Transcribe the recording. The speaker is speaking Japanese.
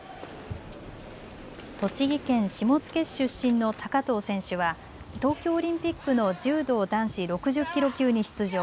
栃木県下野市出身の高藤選手は東京オリンピックの柔道男子６０キロ級に出場。